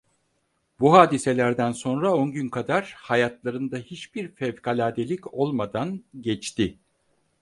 Bu hadiselerden sonra on gün kadar, hayatlarında hiçbir fevkaladelik olmadan, geçti.